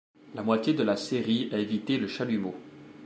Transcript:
La moitié de la série a évité le chalumeau.